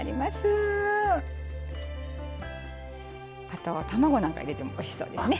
あと卵なんか入れてもおいしそうですね。